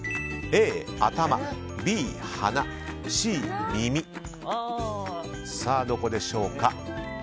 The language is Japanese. Ａ、頭Ｂ、鼻Ｃ、耳さあ、どこでしょうか。